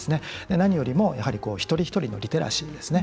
何よりも、やはり一人一人のリテラシーですね。